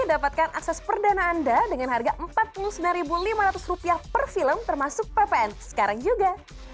dapatkan akses perdana anda dengan harga rp empat puluh sembilan lima ratus per film termasuk ppn sekarang juga